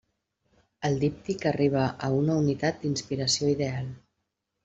El díptic arriba a una unitat d'inspiració ideal.